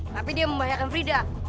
tapi dia membahayakan frida